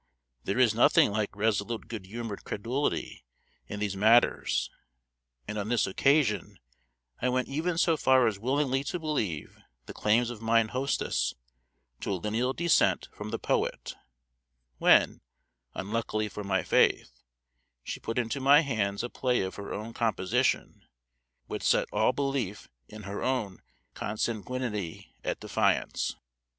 There is nothing like resolute good humored credulity in these matters, and on this occasion I went even so far as willingly to believe the claims of mine hostess to a lineal descent from the poet, when, unluckily for my faith, she put into my hands a play of her own composition, which set all belief in her own consanguinity at defiance.